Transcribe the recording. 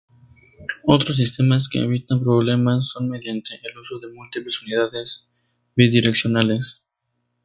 Otros sistemas que evitan problemas son mediante el uso de múltiples unidades bidireccionales.